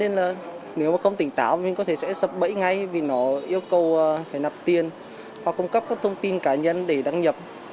nếu mà không tỉnh táo thì có thể sẽ sập bẫy ngay vì nó yêu cầu phải nập tiền hoặc cung cấp các thông tin cá nhân để đăng nhập